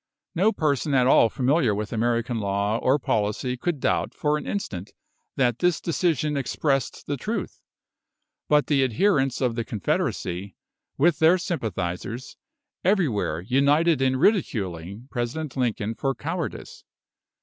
No person at all familiar with American law or policy could doubt for an instant that this decision expressed the truth; but the adherents of the Confederacy, with their sympathisers, everywhere united in ridiculing President Lincoln for cowardice.